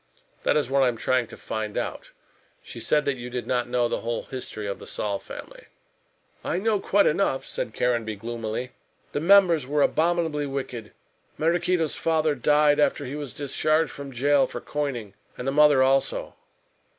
"That is what I am trying to find out. She said that you did not know the whole history of the Saul family." "I know quite enough," said Caranby gloomily, "the members were abominably wicked. Maraquito's father died after he was discharged from jail for coining; and the mother also."